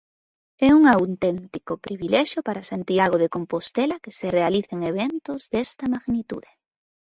É un auténtico privilexio para Santiago de Compostela que se realicen eventos desta magnitude.